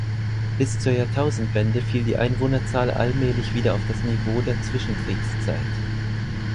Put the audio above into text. Bis zur Jahrtausendwende fiel die Einwohnerzahl allmählich wieder auf das Niveau der Zwischenkriegszeit.